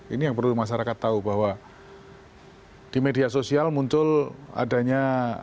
ini yang perlu masyarakat tahu bahwa di media sosial muncul adanya